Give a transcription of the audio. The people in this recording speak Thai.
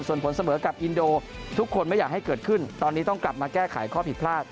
ส่วนผลเสมอกับอินโดทุกคนไม่อยากให้เกิดขึ้นตอนนี้ต้องกลับมาแก้ไขข้อผิดพลาด